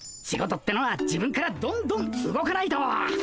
仕事ってのは自分からどんどん動かないと！